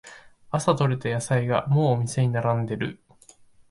朝とれた野菜がもうお店に並んでる